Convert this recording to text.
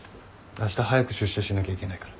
あした早く出社しなきゃいけないから。